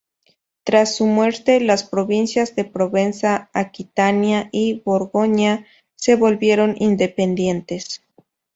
Tras su muerte, las provincias de Provenza, Aquitania, y Borgoña se volvieron independientes.